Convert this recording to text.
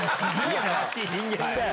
やらしい人間だよ。